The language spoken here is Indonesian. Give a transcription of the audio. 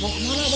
mau kemana abis